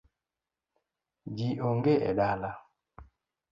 Ji onge e dalano.